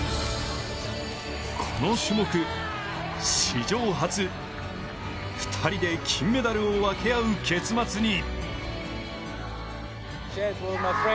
この種目、史上初２人で金メダルを分け合う結末に。